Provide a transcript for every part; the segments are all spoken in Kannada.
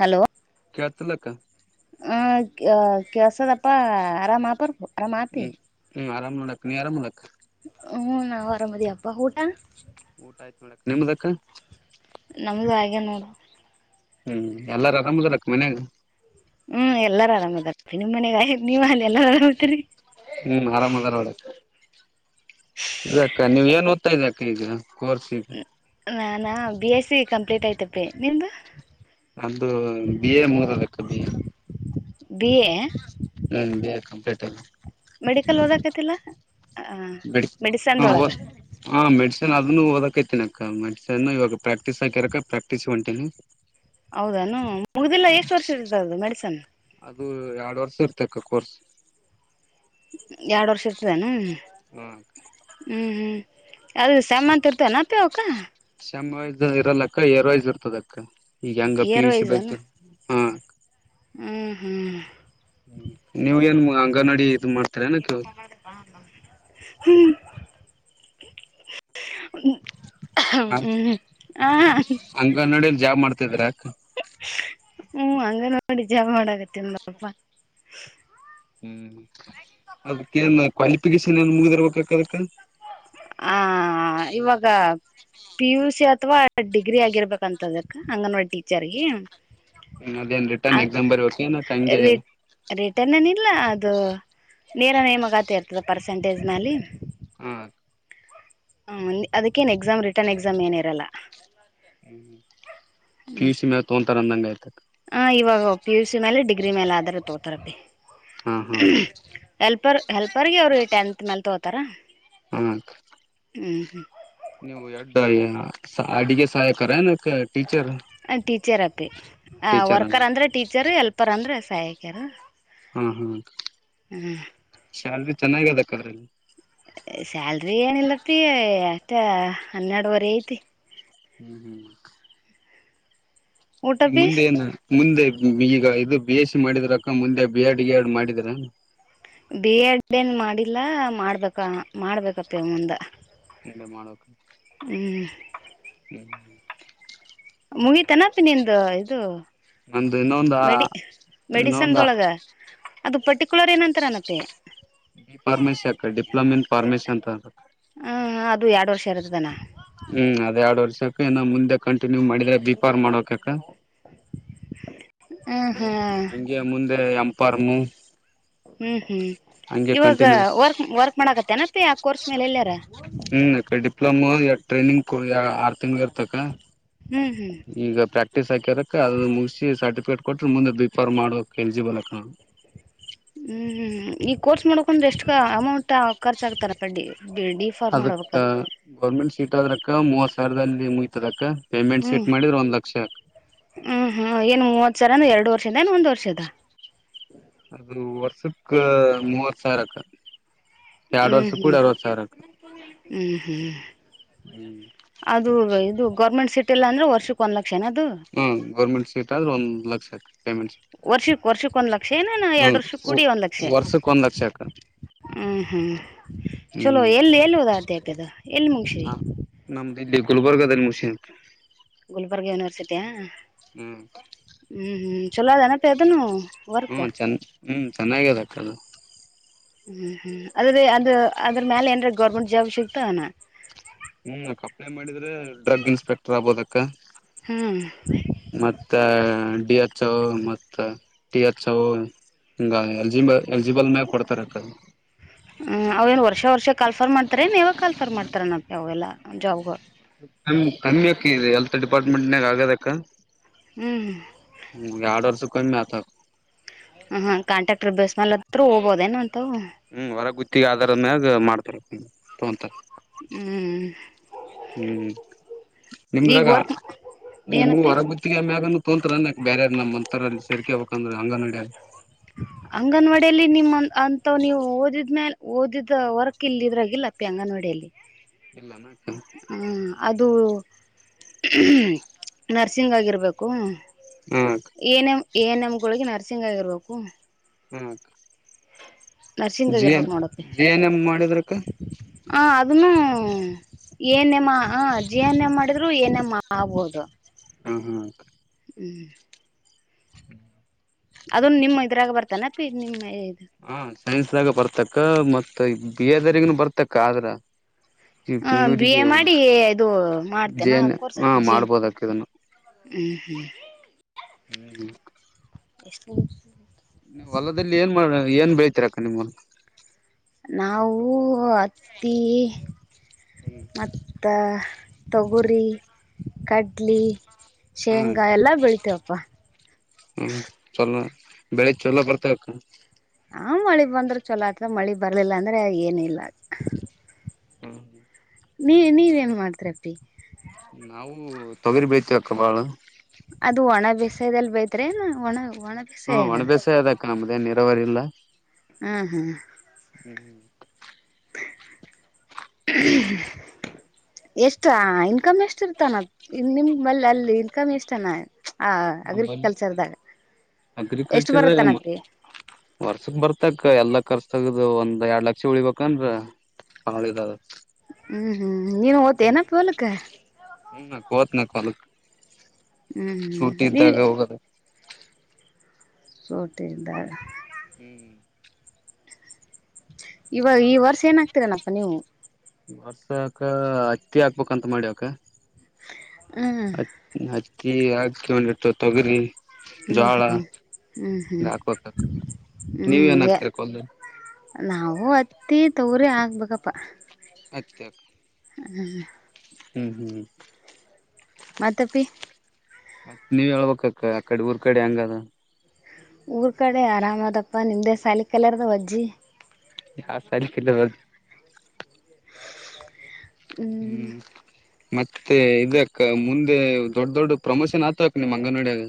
ಹಲೋ ಕೇಳ್ತಿಲ್ಲಕ್ಕ ಆ ಆ ಕೇಳ್ಸಾದಪ್ಪ ಆರಾಮ ಪರ್ಪು ಹ್ಮ್ ಹ್ಮ್ ಆರಾಮ್. ಹ್ಮ್ ನೋಡಕ್ಕ ನೀ ಆರಾಮದಕ್ಕ? ಹ್ಮ್ ನಾವು ಆರಾಮದಿವಪ್ಪ ಊಟಾ? ಊಟ ಆಯ್ತ ನೋಡಕ್ ನಿಮ್ದಕ್ಕ. ನಮ್ದು ಹಾಗ್ಯದ್ ನೋಡು. ಹ್ಮ್ ಎಲ್ಲರ್ ಆರಾಮ್ ಅದಾರ ಅಕ್ಕ ಮನ್ಯಾಗ. ಹ್ಮ್ ಎಲ್ಲರು ಆರಾಮಿದಾರ್ ಪ್ಪಿ ನಿಮ್ಮ್ ಮನೆಗ. ನೀವ್ ಅಲ್ಲೆಲ್ಲಾ ಹೊಂಟಿರಿ. ಹ್ಮ್ ಆರಾಮ್ ಅದಾರ ನೋಡ್ರಿ. ಅಲ್ಲ ಅಕ್ಕ ನೀವ್ ಏನ್ ಓದ್ ತಯ್ದ್ಯ ಅಕ್ಕ ಇಗ. ಕೋರ್ಸ್ಲಿಗ್. ನಾನ ಬಿ ಎಸ್ ಸಿ ಕಂಪ್ಲೀಟ್ ಆಯ್ತಪ್ಪಿ ನಿಮ್ದು. ನಂದೂ ಬಿ ಎ ಮುಗ್ದದ್ ಅಕ್ಕ ಬಿ ಎ. B A. ಹ್ಮ್ ಬಿ ಎ ಕಂಪ್ಲೀಟ್ ಆಯ್ತು. ಮೆಡಿಕಲ್ ಓದಕತ್ತಿಲ್ಲ. ಮೆಡಿ ಹಾ ಓದ್ಸ್ ಹ ಮೆಡ್ಸ್ ನ್ ಅದ್ನು ಓದಕತೀನಕ್ಕ ಮೆಡಿಸನ್ನು ಇವಾಗ ಪ್ರಾಕ್ಟೀಸ್ ಹಾಕ್ಯರಕ್ಕ ಪ್ರಾಕ್ಟೀಸ್ಗ್ ಹೊಂಟಿನಿ. ಹೌದೇನು ಮುಗ್ದಿಲ್ಲ ಎಷ್ಟು ವರ್ಷ ಇರ್ತದ್ ಅದು ಮೆಡಿಸನ್. ಅದು ಎರಡ್ ವರ್ಷ ಇರ್ತಕ್ಕ ಕೋರ್ಸ್. ಎರಡ್ ವರ್ಷ ಇರ್ತದೆನೂ. ಹ ಹ್ಮ್ ಹ್ಮ್ ಅದು ಸೆಮ್ ಅಂತ ಇರ್ತೆನ್ ಅಪ್ಪಿ ಅವ್ಕಾ. ಸೇಮ್ ವೈಸ್ ಇರಲ್ಲಕ್ಕ ಏಯರ್ ವೈಸ್ ಇರ್ತದಕ್ಕ. ಈಗ್ ಹಂಗ P year U C wise ಅನ ಬರೀತಾರ್. ಹ ಕ್ಕ. ಹ್ಮ್ ಹ್ಮ್. ನೀವ್ ಏನ್ ಅಂಗನಡಿ ಇದ್ ಮಾಡ್ ಏನ್ ಅಪ್ಪ ಮಾಡ್ ಬಾ ಅಂದನ್. ಹ್ಮ್ ಹ್ಮ ಹ. ತಿದ್ರ. [unintelligible] ಹ್ಮ್ ಅಂಗನ್ವಾಡಿ ಜಬ್ ಮಾಡಕತಿವ್ ನಾವ್ ಪ್ಪ. ಹ್ಮ್ ಅದಕೆನ್ ಕ್ವಾಲಿಫಿಕೇಶನ್ ಏನ್ ಮುಗ್ದಿರ್ಬೇಕಕ್ಕ ಅದಕ್ಕ. ಆ ಇವಾಗ ಪಿ ಯು ಸಿ ಅಥವಾ ಡಿಗ್ರಿ ಆಗಿರ್ಬೇಕಂತದಕ್ಕ ಅಂಗನ್ವಾಡಿ ಟೀಚರ್ಗೆ. ಹ್ಮ್ ಅದೇನ್ ರಿಟರ್ನ್ ಎಕ್ಸಾಮ್ ಬರಿಬೇಕ್ ಏನಕ್ಕ ಹಂಗೆ. ರಿಟರ್ನ್ ಏನಿಲ್ಲ ಅದು ನೇರ ನೇಮಕಾತಿ ಇರ್ತದೆ ಪರ್ಸೆಂಟೇಜ್ ಮ್ಯಲಿ. ಹ್ಮ ಹ ಅದಕ್ಕೇನ್ ಎಕ್ಸಾಮ್ ರಿಟರ್ನ್ ಎಕ್ಸಾಮ್ ಏನಿರಲ್ಲ. ಹ್ಮ್ ಪಿ ಯು ಸಿ ಮೇಲ್ ತೊಂತಾರ್ ಅಂದಂಗ್ ಆಯ್ತು. ಇವಾಗ ಪಿ ಯು ಸಿ ಮೇಲೆ ಡಿಗ್ರಿ ಮೇಲೆ ಆತರ ತೋತರ್ ಅಪ್ಪಿ. ಹ ಹ. ಹೆಲ್ಪರ್ಗೆ ಅವ್ರು ಟೆಂತ್ ಮೇಲ್ ತಗೋತಾರ. ಹ್ಮ ಕ್ಕ. ಹ್ಮ್ ಹ್ಮ. ನೀವು ಏಡ್ಡ ಅಡಿಗೆ ಸಹಾಯಕರ ಏನಕ್ಕೆ ಟೀಚರ್. ಅ ಟೀಚರ್ ಅಪ್ ಪಿ ಅ ಟೀಚರ್ ವರ್ಕರ್ ಅಂದ್ರೆ ಟೀಚರ್ ಹೆಲ್ಪರ್ ಅಂದ್ರೆ ಅಸ್ ಪಯಕ್ಯರು. ಹಾ ಹಾ ಅಕ್ಕ ಶ್ಯಾಲ್ರಿ ಚೆನ್ನಾಗ್ ಅದಕ್ಕ ಅದ್ರಲ್ಲಿ. ಸ್ಯಾಲ್ರಿ ಏನಿಲ್ಲಪ್ಪಿ ಅಷ್ಟ ಹನ್ನೆರ್ಡುವರೆ ಐತಿ. ಹ್ಮ್ ಹ್ಮ್. ಊಟ ನಿ ಅಪ್ಪಿ ಮುಂದ್ ಏನ. ಮುಂದೆ ಬಿ ಗಾ ಇದು ಬಿ ಎಸ್ ಸಿ ಮಾಡಿದ್ರಕ್ಕ ಮುಂದೆ ಬಿ ಎಡ್ ಗಿ ಎಡ್ ಮಾಡಿದ್ರ. ಬಿ ಎಡ್ ಏನ್ ಮಾಡಿಲ್ಲಾ ಮಾಡ್ಬೇಕ ಮಾಡ್ಬೇಕಪ್ಪಿ ಮುಂದ. ಲೆ ಮಾಡೋಕ. ಹ್ಮ್ ಹ್ಮ್ ಮುಗಿತೆನಪ್ಪಿ ನಿಂದ ಇದು ನಂದು ಇನ್ನೊಂದ ಮೆಡಿ ಇನ್ನೊಂದ ಮೆಡಿಸನ್ದೊಳಗ. ಅದು ಪರ್ಟಿಕುಲರ್ ಏನ್ ಅಂತಾರ ಮತ್ತೆ ಫಾರ್ಮಸಿ ಅಕ್ಕ ಡಿಪ್ಲೊಮೊ ಇನ್ ಫಾರ್ಮಸಿ ಅಂತ ಅಕ ಹಾಂ ಅದು ಎರಡು ವರ್ಷ ಇರ್ತದನ ಹ್ಮ್ ಅದೇ ಎರ್ಡ್ ಇನ್ನ ಮುಂದೆ ಕಂಟಿನ್ಯೂ ಮಾಡಿದ್ರ ಬೀ ಪಾರ್ಮ್ ಮಾಡ್ ಬೇಕ್ ಅಕ್ಕ ಹಾಂ ಮುನ್ ಹಾಂ ಅಂಗೆ ಮುಂದೆ ಪಾರ್ಮು ಹ್ಮ್ ಹ್ಮ್ ಇವಾಗ ಕಂಟಿನ್ಯೂಸ್ ವರ್ಕ್ ವರ್ಕ್ ಮಾಡಕತ್ತನಪ್ಪಿ ಆ ಕೋರ್ಸ್ ಮೇಲೆ ಎಲ್ಲಾರ? ಹ್ಮ್ ಅಕ್ಕ ಡಿಪ್ಲೋಮೋ ಯ ಟ್ರೈನಿಂಗ್ ಯ ಆರ್ ತಿಂಗ್ಳು ಇರ್ತಕ್ಕ ಹ್ಮ್ ಹ್ಮ್ ಪ್ರಾಕ್ಟಿಸ್ ಹಾಕ್ಯರಕ ಅದು ಮುಗ್ಸಿ ಸರ್ಟಿಫಿಕೇಟ್ ಕೊಟ್ಟ್ರೆ ಮುಂದ ಬಿಫಾರ್ಮ ಮಾಡಕ್ ಎಲಿಜಿಬಲ್ ಅಕ್ಕ ಹ್ಮ್ ಹ್ಮ್ ಈ ಕೋರ್ಸ್ ಮಾಡೋಕಂದ್ರೆ ಎಷ್ಟ ಅಮೌಂಟ ಖರ್ಚಾಗಗ್ತಾರ ಡಿ ಫಾರ್ಮ್ ಅದಕ್ಕ ಮಾಡ್ಬೇಕ ಗೌರ್ಮೆಂಟ್ ಸೀಟ್ ಆದ್ರಕ್ಕ ದರ್ದಲ್ಲಿ ಮುಗಿತದ್ ದಕ್ಕ ಹ್ಮ್ ಹ್ಮ್ ಹ್ಮ್ ಏನ್ ಮೂವತ್ ಸರನು ಎರ್ಡು ವರ್ಷಿಂದೆನು ಒಂದ್ ವರ್ [unintelligible] ಅದು ವರ್ಷಕ್ಕ ಮೂವತ್ತು ಸಾವಿರಕ್ಕ ಎರಡ್ ಹ್ಮ್ ವರ್ಷ ಕೂಡ ಅರವತ್ ಸಾವಿರ ಹ್ಮ್ ಹ್ಮ್ ಹ್ಮ್ ಅದು ಇದು ಗೌರ್ಮೆಂಟ್ ಸಿಟಿಲ್ಲನ್ದ್ರೆ ವರ್ಷಕ್ ಒಂದ್ ಲಕ್ ಹ್ಮ ಗೌರ್ಮೆಂಟ್ ಸೀಟ್ ಆದ್ರೆ ಒಂದ್ ಲಕ್ ಹ ವರ್ಷುಕ್ ವರ್ [unintelligible] ಲಕ್ಷೆನ ನಾ ಹ್ಮ್ ಎರ್ಡ್ ವರ್ಷ ಕೂಡಿ ಒಂದ್ ಲಕ್ಷೆ ವರ್ಷಕ್ ಒಂದ್ ಲಕ್ಷ ಅಕ್ಕ ಹ್ಮ್ ಹ್ಮ್ ಚಲೋ ಹ್ಮ್ ಎಲ್ಲಿ ಎಲ್ಲಿ ಓದಾಕತಿ ಅಪ್ಪಿ ಅದು ಎಲ್ಲಿ ಮುಗ್ಸಿ ಇದಿಲ್ ಗುಲ್ಬರ್ಗದಲ್ ಮುಗ್ಸಿನಕ್ಕ ಗುಲ್ಬರ್ಗ್ ಯೂನಿವರ್ಸಿಟಿಯಾ? [inaudible] ಹ್ಮ್ ಹ್ಮ್ ಹ್ಮ್ ಚಲೋ ಅದೇನಪ್ಪಿ ಅದುನು?. ಹ್ಮ, ಚನ್ ಹ್ಮ, ಚೆನ್ನಾಗದ್ ಅಕ್ಕ ಅದು ಹ್ಮ್ ಹ್ಮ್, ಅದ್ರೆ ಅದ ಅದ್ರ್ ಮ್ಯಾಲೆ ಏನ್ರ ಗೌರ್ಮೆಂಟ್ ಜಾಬ್ ಸಿಕ್ತಾ ಏನು? ಹ್ಮ್ ಅಕ್ಕ ಅಪ್ಲೈ ಮಾಡಿದ್ರೆ ಡ್ರಗ್ ಇನ್ಸ್ಪೆಕ್ಟರ್ ಆಗ್ಬೋದಕ್ಕ ಹ್ಮ್ ಮತ್ತ? ಡಿ ಎಚೊ ಮತ್ತ ಟಿ ಹೆಚ್ ಓ ಹಂಗ ಎಲ್ಜಿಬ ಎಲ್ಜಿಬಲ್ ಮೇಲ್ ಕೊಡ್ತಾರ್ ಅಕ್ಕ ಹ್ಮ್ ಅವೇನ್ ವರ್ಷ ವರ್ಷ ಕಾಲ್ಫರ್ ಮಾಡ್ತಾರ ಏನ್ ಯಾವಾಗ್ ಕಾಲ್ಫರ್ ಮಾಡ್ತಾರ್ ನಪ್ಪಿ ಅವೆಲ್ಲಾ ಜಾಬ್ಗ. ಕಮ್ ಕಮ್ಮಿಕಿ ಇದು ಹೆಲ್ತ್ ಡಿಪಾರ್ಟ್ಮೆಂಟ್ನ್ಯಾಗ್ ಆಗದಕ್ಕ. ಹ್ಮ್. ಹ್ಮ್ ಯಾಡ್ ವರ್ಷಾಕೊಮ್ಮೆ ಆತದ್. ಹ ಕಾಂಟ್ರಾಕ್ಟರ್ ಬೇಸ್ ಮೇಲ್ ಹತ್ರ ಹೋಗ್ಬೋದೇನ ಅಂತವು ಹ್ಮ್ ಹೊರಗ್ ಗುತ್ ತಿ ಅದ್ರ್ಮ್ಯಾಗ್ ಮಾಡ್ತಾರ್ ಅಪ್ಪಿ. ತಗೊಂತಾರೆ ಹ್ಮ್ ಹ್ಮ್ ಈಗ ನಿಮ್ದಾಗ ವರ್ಕ್ ನಿಮ್ಗು ಏನಪ್ಪಿ ಹೊರಗ್ ಗುತ್ತಿಗೆ ಮ್ಯಾಗನು ತೋಂತ್ರರನ್ಕ್ ಬ್ಯಾರೆ ನಮ್ಮಂತೋರ್ ಅಲ್ ಸೆರ್ಕ್ಯಬೇಕ ಅಂದ್ರೆ ಅಂಗನ್ವಾಡ್ಯಾಗ್. ಅಂಗನ್ವಾಡಿಯಲ್ಲಿ ನಿಮ್ಮ ಅ ಅಂತವ್ ನೀವು ಓದಿದ್ಮೇಲೆ ಓದಿದ ವರ್ಕ್ ಇಲ್ ಇದ್ರಾಗಿಲ್ಲಪ್ಪಿ ಅಂಗನ್ವಾಡಿಯಲ್ಲಿ. ಇಲ್ಲನ ಹ್ಮ ಅದು. ನರ್ಸಿಂಗ್ ಆಗಿರ್ಬೇಕು. ಹಾ ಏನು. ಏನ್ ನಮ್ಗುಳಗೆ ನರ್ಸಿಂಗ್ ಆಗಿರ್ಬೇಕು. ಹ್ಮ್. ನರ್ಸಿಂಗ್ ಆಗಿರ್ಬೇಕ್ ನೋಡಪ್ಪಿ ಜಿ ಎನ್ ಎಂ ಮಾಡಿದ್ರಕ್ಕ ಹಾ ಅದುನ್ನು. ಏನೇಮ್ಮ ಹ ಜಿ ಏನ್ ಎಮ್ ಮಾಡಿದ್ರು ಏನೆಮ್ಮ ಆಗ್ಬೋದು. ಹ್ಮ ಹ್ಮ. ಹಿ. [inaudible] ಅದುನ್ ನಿಮ್ ಇದ್ರಗೆ ಬರ್ತನೆ ಅಪ್ಪಿ ನಿಮ್ ಇ. ಹ ಸೈನ್ಸ್ದ್ಯಾಗ ಬರ್ ತಕ್ಕ ಮತ್ತ ಬಿ ಎ ದರಿನು ಅದ್ರ ಬರ್ತದ್ ಅಕ್ಕ. ಹ ಬಿ ಎ ಮಾಡಿ ಇದು ಮಾಡ್ತೇನಾ ಜೇನ್ ಕೋರ್ಸ ಹ ಅಜ್ಜಿನ್. ಮಾಡ್ಬೋದಕ್ ಇದನ್ನು ಹ್ಮ್ ಹ್ಮ್. ಹ್ಮ್. ಎಷ್ಟ್ ನಿಮ್ಷ್. ನಿ ಹೊಲದಲ್ಲಿ ಏನ್ ಮಾಡ ಏನ್ ಬೆಳ್ತಿರಕ್ಕ ನಿಮ್ ಹೊಲ. ನಾವು ಅ ಹತ್ತಿ ಮತ್ತ. ತೊಗುರಿ ಕಡ್ಲಿ. ಹ್ಮ್ ಶೇಂಗಾ ಎಲ್ಲಾ ಬೆಳಿತೇವಪ್ಪ. ಬೆಳಿಗ್ ಚೊಲೋ ಬರ್ತವಕ್ಕ. ಆ ಮಳಿ ಬಂದ್ರೆ ಚೊಲೋ ಆತ್ತದ್ ಮಳೆ ಬರಲಿಲ್ಲ ಅಂದ್ರೆ ಏನಿಲ್ಲ. ಹ್ಮ್. ನೀ ನೀವ್ ಏನ್ ಮಾಡ್ತಿರಪ್ಪಿ. ನಾವು ತೊಗರಿ ಬೇಳ್ತೀವ್ ಅಕ್ಕ ಬಾಳ. ತ್ರೆನ ಒಣವ್. ಒಣಗ್ಸೆಯಿಲ್ಲ. ಏನ್ ಇರುವಾರಿ ಇಲ್ಲ. ಹ್ಮ್ ಹ್ಮ್ ಹ್ಮ್ [unintelligible] ಎಷ್ಟ ಇನ್ಕಮ್ ಎಷ್ಟ ಇರ್ತಾನ ನಿಮ್ ಲ್ಲಿ ಅಲ್ಲಿ ಇನ್ಕಮ್ ಇಷ್ಟನ ನ ಎಷ್ಟು ಅಗ್ರಿಕಲ್ಚರ್ ಬರುತ್ತನಪ್ಪಿ ವರ್ಷಕ್ ಬರ್ತಕ್ ಎಲ್ಲ ಖರ್ಚ್ ತಗದು ಒಂದ್ ಎರಡ್ ಲಕ್ಷ ಉಳಿಬೇಕಂದ್ರ ಹ್ಮ ಹ್ಮ ಹ್ಮ ನೀನು ಓತ ಏನ ಪೋಲಕ್ಕೆ ಹ್ಮ ಕೊತ್ನ ಕೊಲ್ಕ್ ಹ್ಮ್ ಹ್ಮ್ ಶೂಟಿ ನೀ ಇದ್ದಾಗ ಹೋಗದ ರೋಟಿಂದ ಹ್ಮ್ [unintelligible] ಇವಾಗ ಈ ವರ್ಷ ಏನಾಗ್ತೀರೇನಪ್ಪ ನೀವು ವರ್ಸಕ ಹತ್ತಿ ಆಕ್ಬೇಕಂತ ಮಾಡಿ ಅಕ್ಕ ಹ್ಮ್ ಅ ಹ ಆಕಕೊಂಡಿಟ್ಟ ತೊಗ್ರಿ ಹ್ಮ್ ಹ್ಮ್ ಹ್ಮ್ ಹ್ಮ್ ಹಾಕ್ಬೇಕಕ್ ನೀವ್ ಹ್ಮ್ ಏನ್ ಎ ಹಾಕ್ತಿರ ಹೊಲ್ದಲ್ಲಿ ನಾವು ಅತ್ತಿ ತವ್ರ ಆಗ್ಬೇಕಪ್ಪ ಅ್ಕಾ ಹ್ಮ್ ಹ್ಮ್ ಹ್ಮ್ ಮಪಿ ಮತ್ತೆ ನೀವ್ ಹೇಳ್ಬೇಕಕ್ಕ ಆ ಕಡೆ ಊರ್ ಕಡೆ ಹೆಂಗ ಅದ ಊರ್ ಕಡೆ ಆರಾಮ್ದಪ್ಪ ನಿಮ್ದೆ ಸಾಲ ಕಲರ್ದ ವಜ್ಜಿ ಯ ಸಾಲ ಕಲ್ಲ ಹ್ಮ್ ಮತ್ತೆ ಇದ್ಯಾಕ್ಕ ಮುಂದೆ ದೊಡ್ ದೊಡ್ ಪ್ರಮೋಷನ್ ಆತಕ್ ನಿಮ್ಮ್ ಅಂಗನವಾಡಿಯಾಗ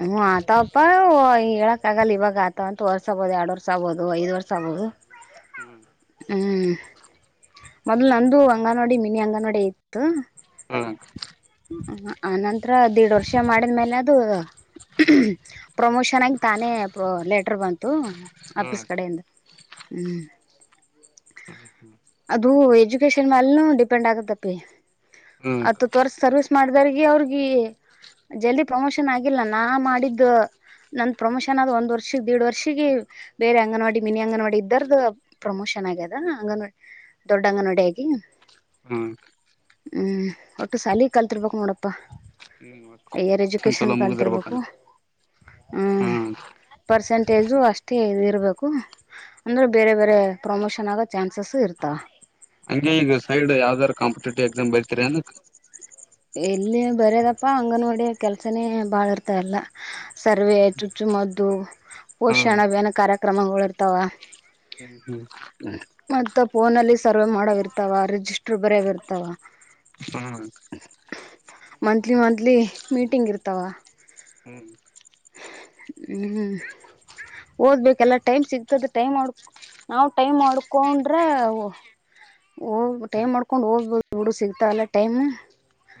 ಹ್ಮ ಆತಪ್ಪ ಹೇಳಕ್ ಆಗಲ್ಲ ಇವಾಗ ಆತ ಅಂತ ವರ್ಷ ಆಗ್ಬೋುದು ಎರಡ್ ವರ್ಷ ಆಗ್ಬೋದು ಐದ್ ವರ್ಷ ಆಗ್ಬೋದು ಹ್ಮ್ ಮೊದ್ಲು ನಂದು ಅಂಗನೋಡಿ ಮಿನಿ ಅಂಗನವಾಡಿ ಇತ್ತು ಹ್ಮ ಆನಂತರ ದೇಡ್ ವರ್ಷ ಮಾಡಿದ್ಮೇಲೆ ಅದು [inaudible] ಪ್ರಮೋಷನ್ ಆಗಿ ತಾನೇ ಪ್ರ ಲೆಟರ್ ಬಂತು ಹ್ಮ್ ಆಫೀಸ್ ಕಡೆಯಿಂದ ಹ್ಮ್ ಹ್ಮ್ ಹ್ಮ್ ಎಜುಕೇಶಷನ್ ಮೇಲೆ ಡಿಪೆಂಡ್ ಆಗತ್ತಪ್ಪಿ ಹ್ಮ್ ಅದು ತೋರ್ಸ ಮಾಡ ಅವ್ರಗ ಜಲ್ದಿ ಪ್ರಮೋಷನ್ ಆಗಿಲ್ಲ ನಾ ಮಾಡಿದ ನ ಪ್ರಮೋಷನ್ ಆದ ಒಂದ್ ವರ್ಷ ದಡ್ ವರ್ಷಗ ಬೇರೆ ಅಂಗನವಾಡಿ ಮಿನಿ ಅಂಗನವಾಡಿ ಇದ್ದಾರ ಪ್ರಮೋಷನ್ ಆಗ್ಯದ ಅಂಗನವಾ ದೊಡ್ ಅಂಗನವಾಡಿ ಆಾಗಿ ಹ ಒಟ್ಟುಲ ಕಲ್ತಿರ್ಬೇಕಕ್ ನೋಡಪ್ಪ ಹಯರ್ ಹ್ಮ್ ಎಜುಕೇಷನ್ ಚಲೋ ಮುಗ್ದಿರ್ಬೇಕ ಕಲ್ತಿರ್ಬೇಕು ಹ ಹ್ಮ್ ಪರ್ಸೆಂಟ್ ಸ್ಟೇಜು ಅಷ್ಟೇ ಇ ಇರ್ಬೇಕು ಅಂದ್ರೆ ಬೇರೆ ಬೇರೆ ಪ್ರಮೋಷನ್ ಆಗೋ ಚಾನ್ಸಸ್ ಇರ್ತಾವ ಹಂಗಗೆ ಈಗ ಸೈಡ್ ಯಾವ್ದಾರ ಕಾಂಪಿಟೇಟಿವ್ ಎಕ್ಸಾಮ್ ಬರ್ತರಿ ಅನಕ್ ಎಲ್ಲಿ ಬರ್ಯದಪ್ಪಾ ಅಂಗನವಾಡಿಯ ಕೆಲ್ಸನೇ ಬಾಳ ಇರ್ತಾರಲ್ಲ ಸರ್ವೆ ಚುಚ್ಚು ಮದ್ದು ಹ್ಮ್ ಪೋಷಣ ಬನ ಕರೆಕ್ ಕ್ರಮಗಳಿರ್ತಾವ ಹ್ಮ್ ಹ್ಮ್ ಮತ್ತ ಫೋನಲ್ಲಿ ಸರ್ವೆ ಮಾಡೋವಿ ಇರ್ತಾವ ರಿಜಿಸ್ಟರ್ ಬರ್ ಇರ್ತಾವ ಮಂತ್ಲಿ ಮಂತ್ಲಿ ಮೀಟಿಂಗ್ ಇರ್ತಾವ ಹ್ಮ್ ಹ್ಮ್ ಓದ್ಬೇಕಲ್ಲ ಟೈಮ್ ಸಿಗ್ತದೆ ಟೈಮ್ ಮಾಡ ನಾವು ಟೈಮ್ ಮಾಡ್ಕೊಂಡ್ರೆ ಹ ಟೈಮ್ ಮಾಡ್ಕೊಂಡ್ ಹೋಗ್ಬದು ಹುಡು ಸಿಗ್ತಾವಲ್ಲ ಟೈಮ್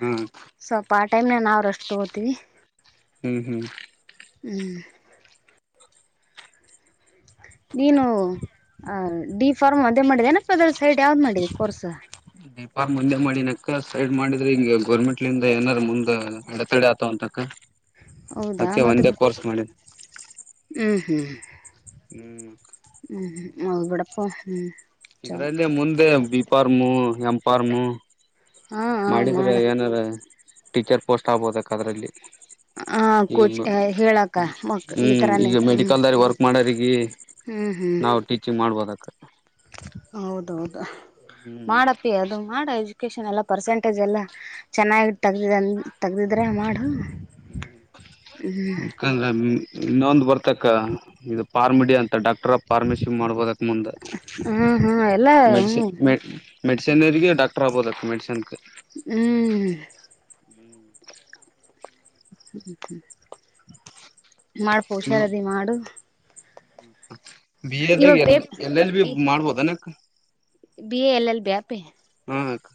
ಹ್ಮ್ ಸ್ವಪ ಆ ಟೈಮಲ್ಲಿ ನಾವ್ರಷ್ಟು ರೆಸ್ಟ್ ತಗೋತೀವಿ ಹ್ಮ್ ಹ್ಮ್ ಹ್ಮ್ ನೀನು ಆ ಡಿಫಾರ್ಮ್ ಒಂದೇ ಮಾಡಿದನಪ್ಪ ಅದ್ರ ಸೈಡ್ ಯಾವ್ದ್ ಮಾಡಿದೆ ಕೋರ್ಸ್ ಡಿ ಫಾರ್ಮ್ ಒಂದೇ ಮಾಡಿನಕ್ಕ ಸೈಡ್ ಮಾಡಿದ್ರೆ ಹಿ ಗೋರ್ಮೆಂಟ್ಲಂದ ಏನಾರ ಮುಂದ್ ಅಡೆತಡೆ ಆತವ ಅಂತಕ್ಕ ಹೌದಾ ಅಕೆ ಒಂದೇ ಕೋರ್ಸ್ ಮಾಡಿದ್ದ ಹ್ಮ್ ಹ್ಮ್ ಹ್ಮ್ ಹ್ಮ್ ಹೌದು ಬಿಡಪ್ಪ ಹ್ಮ್ ಇದ್ರಲ್ಲಿ ಮುಂದೆ ಬಿಪ್ಪಾರ್ಮು ಎಂಪಾರ್ಮು ಹಾಂ ಹಾಂ ಮಾಡಿದ್ರ ಮಾಡು ಏನಾರ ಟೀಚರ್ ಪೋಸ್ಟ್ ಆಗ್ಬಹುದ ಅದ್ರಲ್ಲಿ ಹ ಈಗ ಕೋಚ್ ಹೇಳಕ್ಕ ಮಕ್ ಈಥರಾನೇ ಹ್ಮ್ ಈ ನಾವು ಟೀಚಿಂಗ್ ಮಾಡ್ಬೋದಕ್ಕ ಹೌದು ಹ್ಮ್ ಮಾಡಪ್ಪಿ ಅದು ಮಾಡ ಎುಕೇಷನ್ ಎಲ್ಲ ಪರ್ಸೆಂಟೇಜ್ ಎಲ್ಲ ಚೆನ್ನಾಗಿ ತೆಗ್ದ ತೆಗ್ದಿದ್ರೆ ಮಾಡು [unintelligible] ದ್ರ ಇನ್ನೊಂದು ಬರ್ತಕ್ಕ ಇದು ಪಾರ್ಮಿಡಿಯಾ ಅಂತ ಡಾಕ್ಟರ್ ಫಾರ್ಮಸಿ ಮಾಡಬೋದಕ್ ಮುಂದೆ ಹ್ಞೂ ಹ್ಞೂ ಎಲ್ಲ ಹ್ಞೂ ಮೆಡಿಸಿನ್ ಮೆಡಿಸಿನರಿಗೆ ಡಾಕ್ಟರ್ ಆಬೋದೆ ಮೆಡಿಸನ್ಗೆ ಹ್ಮ್ ಹ್ಮ್ ಹ್ಮ ಮಾಡ ಪುಷಾರದಿ ಮಾಡು ಹ್ಮ್ ಬಿ ಎ ದಾಗ ಇವಾಗ ಎ ಪೇ ಎಲ್ ಎಲ್ ಬಿ ಈ ಮಾಡ್ಬೋದ ಅನಕ್ B A L L B ಯಾಪೆ ಹಾ ಕ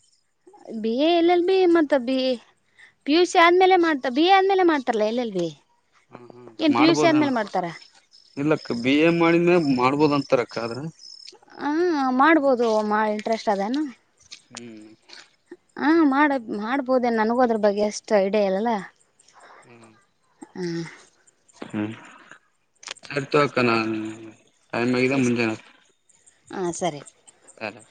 B A L L B ಮತ್ತ ಬಿ ಪಿ ಯು ಸಿ ಆದ್ಮೇಲೆ ಮಾಡ್ತ ಬಿ ಎ ಆದ್ಮೇಲೆ ಮಾಡ್ತಾರಲ್ಲ ಎಲ್ ಎಲ್ ಬಿ ಹ್ಮ ಹ್ಮ್ ಏನ್ ಪಿ ಯು ಸಿ ಮಾಡ್ಬೋದಣ ಅಂದ್ಮೇಲೆ ಮಾಡ್ತಾರ ಇಲ್ಲಕ್ಕ ಬಿ ಎ ಮಾಡಿನೇ ಮಾಡ್ಬೋದ ಅಂತಾರಕ್ಕ ಆದ್ರ ಹ್ಮ ಮಾಡ್ಬೋದು ಇಂಟ್ರೆಸ್ಟ್ ಅದೇನು ಹ್ಮ್ ಹಾ ಮಾಡ ಮಾಡ್ಬೋದೇ ನನಗೋ ಅದ್ರ ಬಗ್ಗೆ ಅಷ್ಟು ಐಡಿಯಾ ಇಲ್ಲಲ್ಲ ಹ್ಮ್ ಹ್ಮ ಹ್ಮ್ ಸರಿತೋಕ ನಾ ಟೈಮ್ ಆಗಿದೆ ಎಷ್ಟ ಮುಂಜನ ಹಾ ಸರಿ ಚ